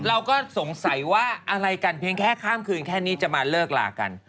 เราก็สงสัยว่าอะไรกันเพียงแค่ข้ามคืนแค่นี้จะมาเลิกลากัน